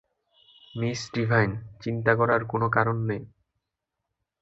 Miss Divine, চিন্তা করার কোনো কারণ নেই।